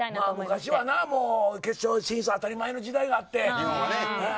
昔は決勝進出当たり前の時代があって。